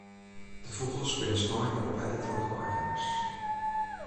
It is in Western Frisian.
De fûgels binne snein wer ophelle troch de eigeners.